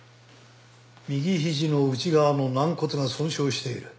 右肘の内側の軟骨が損傷している。